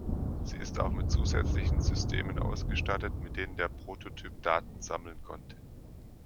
Sie ist auch mit zusätzlichen Systemen ausgestattet, mit denen der Prototyp Daten sammeln konnte.